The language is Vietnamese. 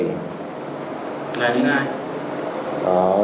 là những ai